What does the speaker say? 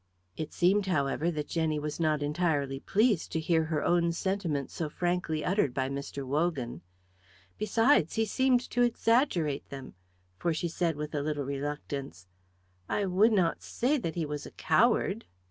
It seemed, however, that Jenny was not entirely pleased to hear her own sentiments so frankly uttered by Mr. Wogan. Besides, he seemed to exaggerate them, for she said with a little reluctance, "I would not say that he was a coward."